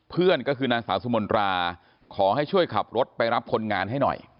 เพื่อนก็คือนางสาวสุมนตราขอให้ช่วยขับรถไปรับคนงานให้หน่อย